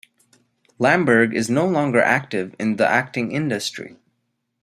Lamberg is no longer active in the acting industry.